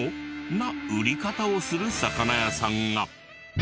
な売り方をする魚屋さんが。